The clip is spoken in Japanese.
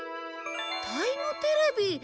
タイムテレビ！